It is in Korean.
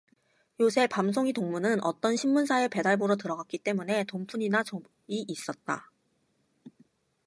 요새 밤송이 동무는 어떤 신문사의 배달부로 들어갔기 때문에 돈푼이나 좋이 있었다.